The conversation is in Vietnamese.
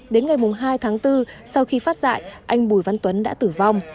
đến ngày hai tháng bốn sau khi phát dạy anh bùi văn tuấn đã tử vong